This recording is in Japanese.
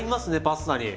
パスタに。